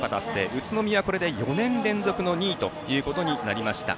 宇都宮は４年連続の２位ということになりました。